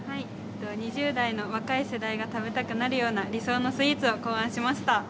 ２０代の若い世代が食べたくなるような理想のスイーツを考案しました。